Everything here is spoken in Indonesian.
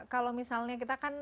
kalau misalnya kita kan